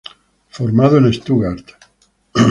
Formado en Stuttgart.